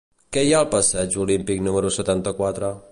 Què hi ha al passeig Olímpic número setanta-quatre?